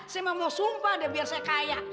saya mau sumpah deh biar saya kaya